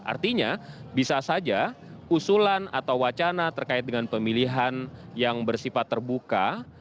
artinya bisa saja usulan atau wacana terkait dengan pemilihan yang bersifat terbuka